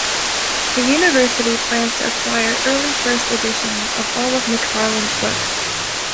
The university plans to acquire early first editions of all of McFarlane's books.